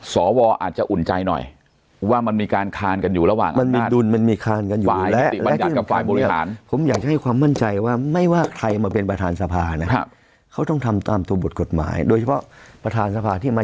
สอวอาจจะอุ่นใจหน่อยว่ามันมีการคานกันอยู่ระหว่างอังกฤษ